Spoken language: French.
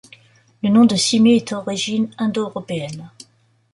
Le nom de Simme est d'origine indo-européenne.